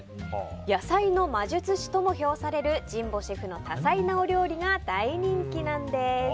野菜の魔術師とも評される神保シェフの多彩なお料理が大人気なんです。